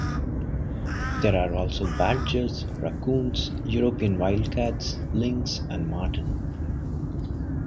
There are also badgers, raccoons, European wildcats, lynx and marten.